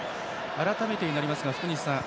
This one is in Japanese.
改めてになりますが福西さん